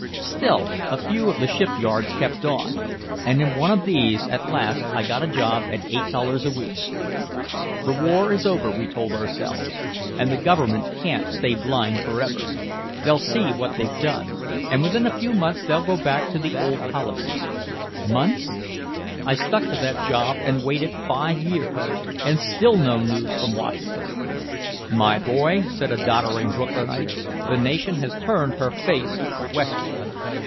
"Still a few of the ship yards kept on, and in one of these at last I got a job at eight dollars a week. 'The war is over,' we told ourselves, 'and the government can't stay blind forever. They'll see what they've done, and within a few months they'll go back to the old policy.' Months? I stuck to that job and waited five years and still no news from Washington. 'My boy,' said a doddering Brooklynite, 'the nation has turned her face westward.'"